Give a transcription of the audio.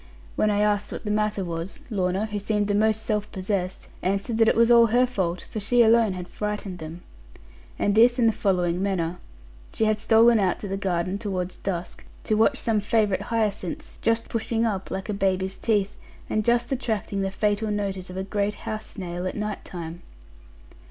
When I asked what the matter was, Lorna, who seemed the most self possessed, answered that it was all her fault, for she alone had frightened them. And this in the following manner. She had stolen out to the garden towards dusk, to watch some favourite hyacinths just pushing up, like a baby's teeth, and just attracting the fatal notice of a great house snail at night time.